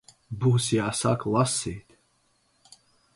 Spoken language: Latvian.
Būs jāsāk lasīt...